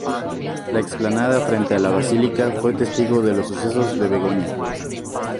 La explanada frente a la basílica fue testigo de los "Sucesos de Begoña".